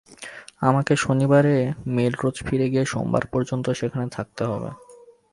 আমাকে শনিবারে মেলরোজ ফিরে গিয়ে সোমবার পর্যন্ত সেখানে থাকতে হবে।